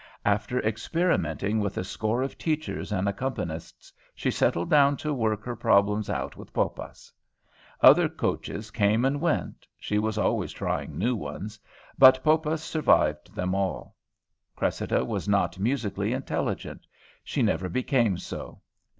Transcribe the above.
After experimenting with a score of teachers and accompanists, she settled down to work her problem out with Poppas. Other coaches came and went she was always trying new ones but Poppas survived them all. Cressida was not musically intelligent; she never became so.